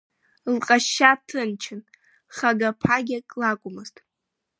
Лҟазшьа ҭынчын, хага-ԥагьак лакәмызт.